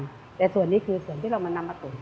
แต่ส่วนนี้คือส่วนที่เรามานำมาตุ๋น